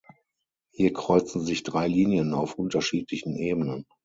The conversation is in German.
Hier kreuzen sich drei Linien auf unterschiedlichen Ebenen.